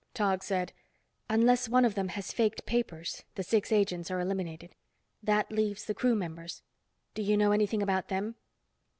Tog said, "Unless one of them has faked papers, the six agents are eliminated. That leaves the crew members. Do you know anything about them?"